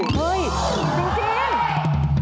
เฮ้ยจริง